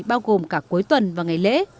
bao gồm cả cuối tuần và ngày lễ